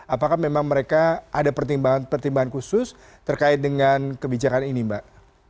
apakah memang mereka ada pertimbangan pertimbangan khusus terkait dengan kebijakan ini mbak